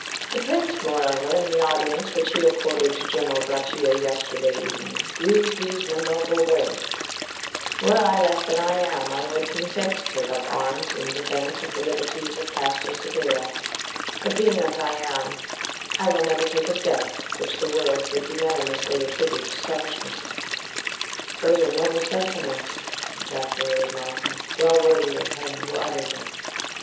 "The Prince, moreover, in the audience which he accorded to General Grachia yesterday evening, used these memorable words:—'_Were I less than I am, I would consent to take up arms in defence of the liberties of Castelcicala; but, being as I am, I never will take a step which the world would unanimously attribute to selfishness._'" "Those were noble sentiments!" ejaculated Markham: "well worthy of him who uttered them."